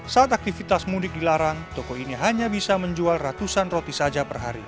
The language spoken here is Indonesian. saat aktivitas mudik dilarang toko ini hanya bisa menjual ratusan roti saja per hari